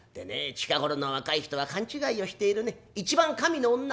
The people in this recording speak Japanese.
近頃の若い人は勘違いをしているね一番上の女